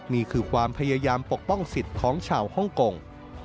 นี่คือความพยายามปกป้องสิทธิ์ของชาวฮ่องกง